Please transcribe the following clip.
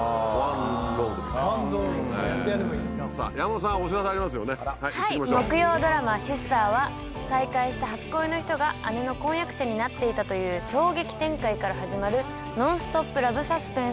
木曜ドラマ『Ｓｉｓｔｅｒ』は再会した初恋の人が姉の婚約者になっていたという衝撃展開から始まるノンストップ・ラブサスペンスです。